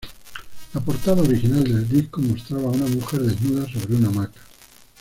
La portada original del disco mostraba a una mujer desnuda sobre una hamaca.